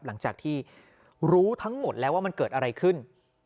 หลังจากที่รู้ทั้งหมดแล้วว่ามันเกิดอะไรขึ้น